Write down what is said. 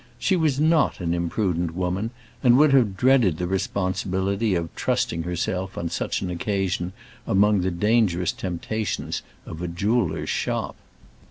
She was not an imprudent woman, and would have dreaded the responsibility of trusting herself on such an occasion among the dangerous temptations of a jeweller's shop.